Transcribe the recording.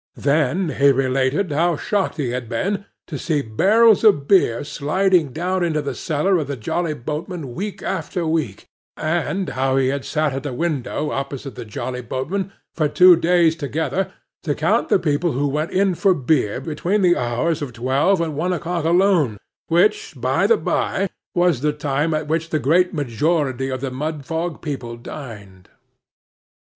Then, he related how shocked he had been, to see barrels of beer sliding down into the cellar of the Jolly Boatmen week after week; and how he had sat at a window opposite the Jolly Boatmen for two days together, to count the people who went in for beer between the hours of twelve and one o'clock alone—which, by the bye, was the time at which the great majority of the Mudfog people dined.